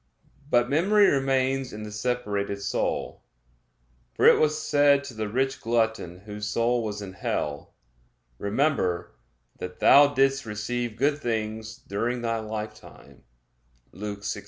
But memory remains in the separated soul; for it was said to the rich glutton whose soul was in hell: "Remember that thou didst receive good things during thy lifetime" (Luke 16:25).